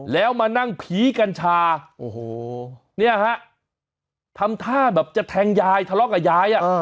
แล้วมานั่งผีกัญชาโอ้โหเนี่ยฮะทำท่าแบบจะแทงยายทะเลาะกับยาย